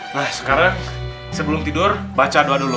nah sekarang sebelum tidur baca doa dulu